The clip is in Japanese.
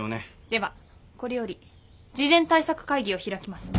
ではこれより事前対策会議を開きます。